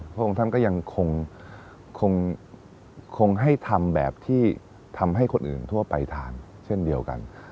พระองค์ท่านก็ยังคงให้ทำแบบที่ทำให้คนอื่นทั่วไปทานเช่นเดียวกัน